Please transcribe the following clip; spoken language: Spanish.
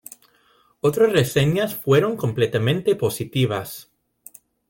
Otras reseñas fueron completamente positivas.